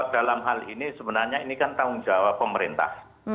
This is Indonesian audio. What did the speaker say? dalam hal ini sebenarnya ini kan tanggung jawab pemerintah